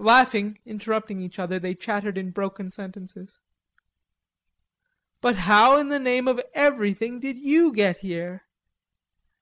Laughing, interrupting each other, they chattered in broken sentences. "But how in the name of everything did you get here?"